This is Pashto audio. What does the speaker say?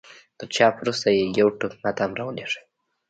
تر چاپ وروسته يې يو ټوک ما ته هم را ولېږئ.